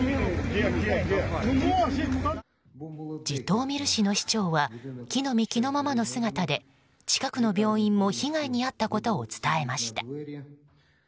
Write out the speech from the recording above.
ジトーミル市の市長は着の身着のままの姿で近くの病院も被害に遭ったことを伝えました。